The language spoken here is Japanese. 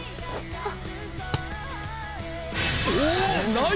あっ！